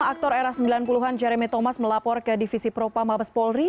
aktor era sembilan puluh an jeremy thomas melapor ke divisi propa mabes polri